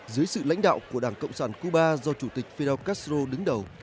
dưới sự lãnh đạo của đảng cộng sản cuba do chủ tịch fidel castro đứng đầu